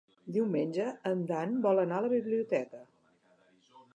Diumenge en Dan vol anar a la biblioteca.